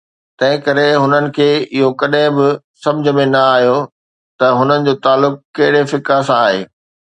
تنهن ڪري هنن کي اهو ڪڏهن به سمجهه ۾ نه آيو ته هنن جو تعلق ڪهڙي فقه سان آهي.